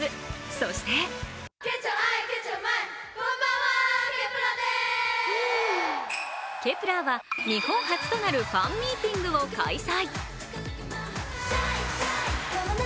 そして、Ｋｅｐ１ｅｒは日本初となるファンミーティングを開催。